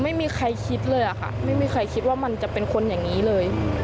ไม่มีใครคิดเลยค่ะไม่มีใครคิดว่ามันจะเป็นคนอย่างนี้เลย